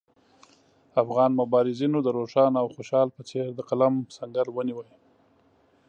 افغان مبارزینو د روښان او خوشحال په څېر د قلم سنګر ونیو.